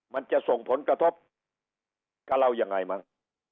มันจะส่งผลกระทบกับเรายังไงมั้ง